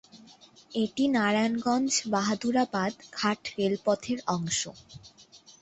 এটি নারায়ণগঞ্জ-বাহাদুরাবাদ ঘাট রেলপথের অংশ।